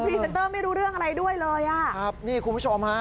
เซนเตอร์ไม่รู้เรื่องอะไรด้วยเลยอ่ะครับนี่คุณผู้ชมฮะ